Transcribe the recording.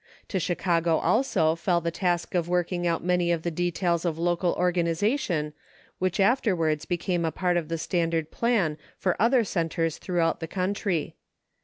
To Chicago also fell the task of working out many of the details of local organization which afterwards became a part of the standard plan for other centers throughout the country.